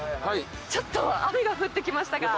ちょっと雨が降ってきましたが。